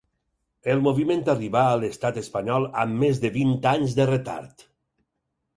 El moviment arribà a l'Estat espanyol amb més de vint anys de retard.